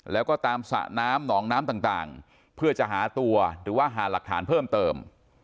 แล้วก็ตามสระน้ำหนองน้ำต่างเพื่อจะหาตัวหรือว่าหาหลักฐานเพิ่มเติม